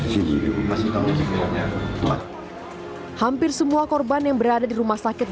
sebagai seorang korban yang berada di rumah sakit ini